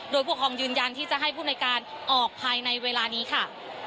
โดยผู้ครองยืนยันที่จะให้ผู้ในการออกภายในเวลานี้ค่ะ